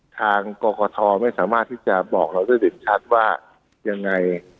กรกฐไม่สามารถที่จะบอกเราได้เห็นชัดว่ายังไง